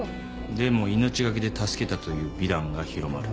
でも命懸けで助けたという美談が広まる。